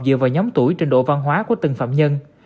dựa vào nhóm tuổi trình độ văn hóa của từng phạm nhân